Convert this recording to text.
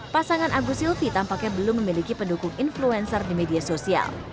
pasangan agus silvi tampaknya belum memiliki pendukung influencer di media sosial